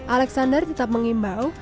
alexander tetap mengimbau